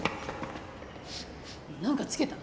何かつけた？